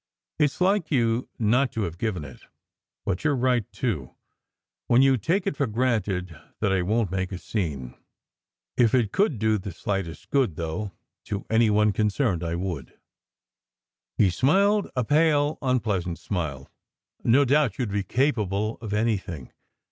It s like you, not to have given it. But you re right, too, when you take it for granted that I won t make a scene. If it could do the the slightest good, though, to any one concerned, I would !" He smiled, a pale, unpleasant smile. "No doubt. STou d be capable of anything.